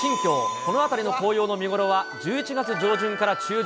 この辺りの紅葉の見頃は１１月上旬から中旬。